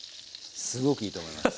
すごくいいと思います。